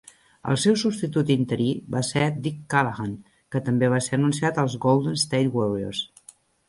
El seu substitut interí va ser Dick Callahan, que també va ser anunciar als Golden State Warriors.